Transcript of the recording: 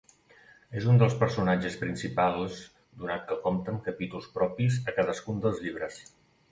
És un dels personatges principals donat que compta amb capítols propis a cadascun dels llibres.